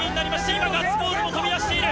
今、ガッツポーズも飛び出している。